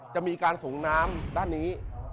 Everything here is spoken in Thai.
จะมีการส่งน้ำด้านนี้